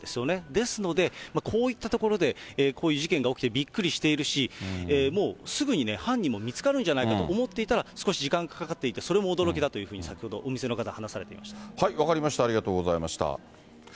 ですので、こういった所でこういう事件が起きてびっくりしているし、もうすぐに犯人も見つかるんじゃないかと思っていたら、少し時間がかかっていて、それも驚きだというふうに、先ほどお店の方、分かりました、ありがとうございました。